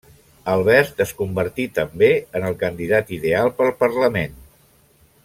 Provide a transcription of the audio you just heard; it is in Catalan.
Albert es convertí també en el candidat ideal pel Parlament.